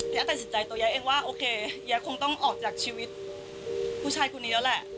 ตัดสินใจตัวแย้เองว่าโอเคแยะคงต้องออกจากชีวิตผู้ชายคนนี้แล้วแหละ